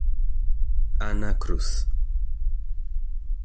Anna Cruz